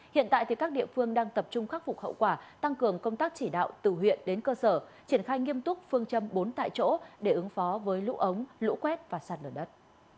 hiện tại các địa phương đang tập trung khắc phục hậu quả tăng cường công tác chỉ đạo từ huyện đến cơ sở triển khai nghiêm túc phương châm bốn tại chỗ để ứng phó với lũ ống lũ quét và sạt lửa đất